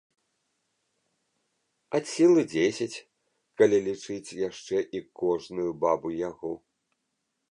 Ад сілы дзесяць, калі лічыць яшчэ і кожную бабу-ягу.